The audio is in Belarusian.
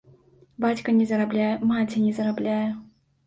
Бацька не зарабляе, маці не зарабляе.